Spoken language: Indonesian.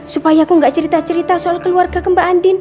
supaya aku gak cerita cerita soal keluarga kemba andin